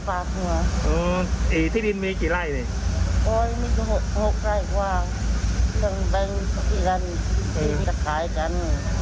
ต้องกำลังไปขายเลยเพราะว่าที่ดินมัน